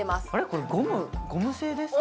これゴムゴム製ですか？